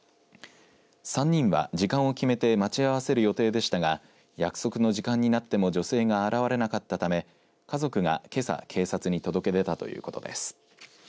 ３人は時間を決めて待ち合わせる予定でしたが約束の時間になっても女性が現れなかったため家族がけさ警察に届け出たということです。